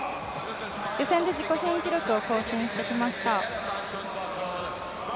予選で自己新記録を更新してきました。